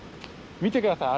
見てください。